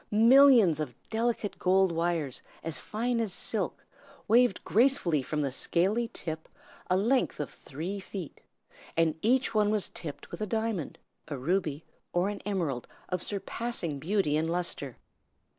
Millions of delicate gold wires as fine as silk waved gracefully from the scaly tip a length of three feet, and each one was tipped with a diamond, a ruby, or an emerald of surpassing beauty and lustre.